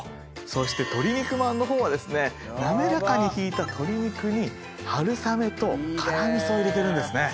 そして鶏肉まんの方は滑らかにひいた鶏肉に春雨と辛味噌を入れてるんですね。